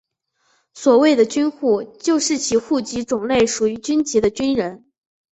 所谓的军户就是其户籍种类属于军籍的军人。